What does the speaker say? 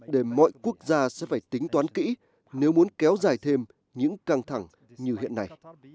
để mọi quốc gia sẽ phải tính toán kỹ nếu muốn kéo dài thêm những căng thẳng như hiện nay